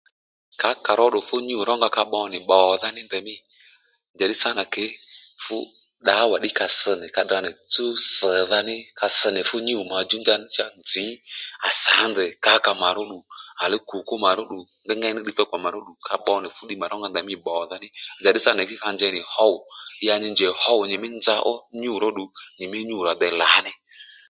Kǎkà ró ddu fú nyû ro nga ka bbo nì bbòdha ní ndèymí njàddí sǎnà ke fú ddawa ddí ka ss nì ka tdra nì tsúw ss dha ní ka ss nì fú nyû màdjú ndaní cha nzǐ à sǎndèy kǎkà mà róddù kùkú mà ró ddú ngengéy ní ddiy thókpa mà ró ddù ka bbo nì fúddiy mà rónga ndèymí bbòdha ní njàddí sânà ke ka njey ní hów ya nyi njèy hów nyìmí nza ó nyû róddù nyi mí nyû rà dey lǎní